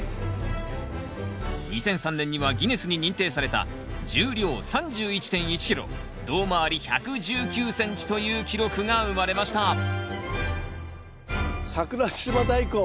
２００３年にはギネスに認定された重量３１．１ｋｇ胴回り１１９ｃｍという記録が生まれました桜島大根は重さ！